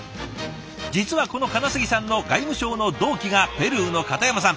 実はこの金杉さんの外務省の同期がペルーの片山さん。